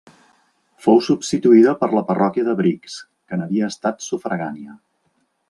Fou substituïda per la parròquia de Brics, que n'havia estat sufragània.